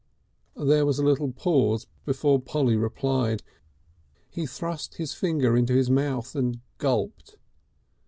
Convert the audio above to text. There was a little pause before Polly replied. He thrust his finger into his mouth and gulped.